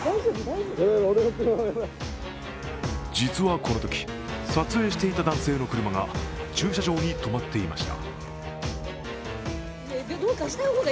実はこのとき、撮影していた男性の車が駐車場に止まっていました。